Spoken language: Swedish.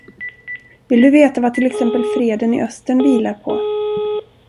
Vill du veta vad till exempel freden i Östern vilar på?